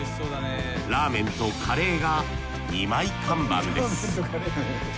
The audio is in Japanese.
ラーメンとカレーが二枚看板です